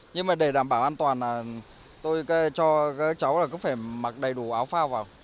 nhưng để đảm bảo an toàn tôi cho các cháu phải mặc đầy đủ áo phao vào